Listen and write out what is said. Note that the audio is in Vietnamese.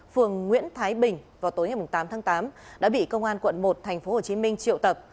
phường nguyễn thái bình vào tối ngày tám tháng tám đã bị công an quận một tp hcm triệu tập